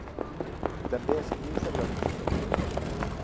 També escriu sobre música.